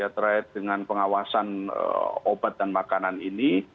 terhadap pengawasan obat dan makanan ini